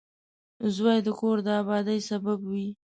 • زوی د کور د آبادۍ سبب وي.